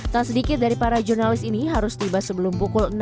tak sedikit dari para jurnalis ini harus tiba sebelum pukul enam